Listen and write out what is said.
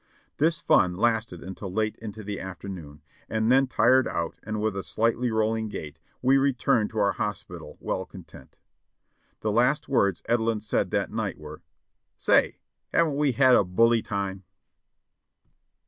This fun lasted until late into the af ternoon, and then tired out and with a slightly rolling gait, we returned to our hospital well content. The last words Edelin said that night were : "Say, haven't we had a bully time?"